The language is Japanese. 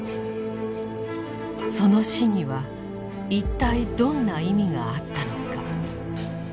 その死にはいったいどんな意味があったのか。